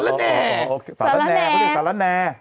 สารแหน่เพราะฉันสารแหน่